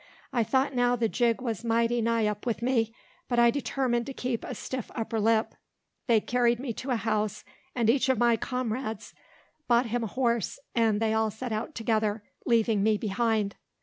I thought now the jig was mighty nigh up with me, but I determined to keep a stiff upper lip. They carried me to a house, and each of my comrades bought him a horse, and they all set out together, leaving me behind.